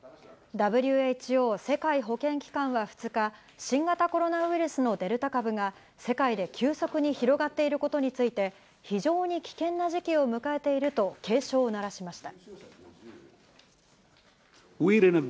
ＷＨＯ・世界保健機関は２日、新型コロナウイルスのデルタ株が、世界で急速に広がっていることについて、非常に危険な時期を迎えていると、警鐘を鳴らしました。